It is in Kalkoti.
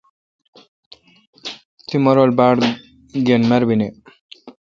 تی مہ رل باڑ گین مربینی۔